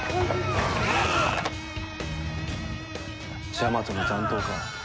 ジャマトの残党か。